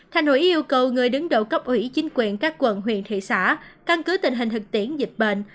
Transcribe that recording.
thành hội yêu cầu người đứng đầu cấp ủy chính quyền các quận huyện thị xã căn cứ tình hình thực tiễn dịch bệnh